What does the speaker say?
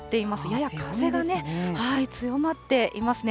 やや風が強まっていますね。